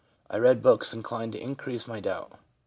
I read books inclined to increase my doubt.